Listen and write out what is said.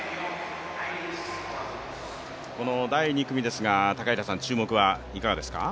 この第２組ですが高平さん、注目はいかがですか。